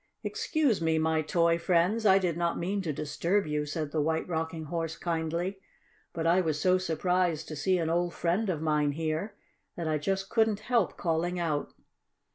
"Excuse me, my toy friends, I did not mean to disturb you," said the White Rocking Horse kindly. "But I was so surprised to see an old friend of mine here that I just couldn't help calling out."